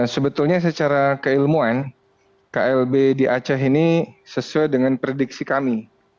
sebetulnya secara keilmuan klb di aceh ini sesuai dengan prediksi kami